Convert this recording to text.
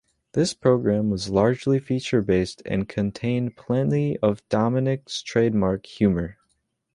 This programme was largely feature-based and contained plenty of Dominik's trademark humour.